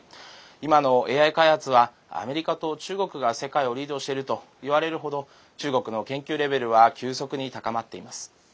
今のＡＩ開発はアメリカと中国が世界をリードしているといわれる程中国の研究レベルは急速に高まっています。